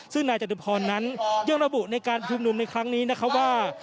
ซึ่งนายจตุพรนั้นยังระบุในการชุมนุมในครั้งนี้นะคะว่า